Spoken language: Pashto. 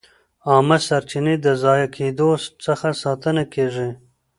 عامه سرچینې د ضایع کېدو څخه ساتل کېږي.